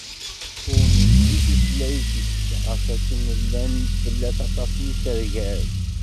Ur neǧǧi tutlayt-is ɣas akken llan-d fell-as aṭas n yisergal.